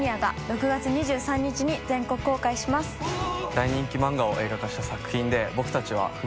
大人気漫画を映画化した作品で佑燭舛鷲